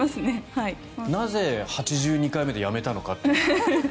なぜ８２回目でやめたのかと。